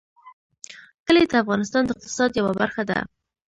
کلي د افغانستان د اقتصاد یوه برخه ده.